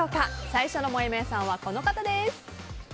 最初のもやもやさんはこの方です。